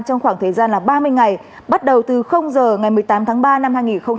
trong khoảng thời gian ba mươi ngày bắt đầu từ giờ ngày một mươi tám tháng ba năm hai nghìn hai mươi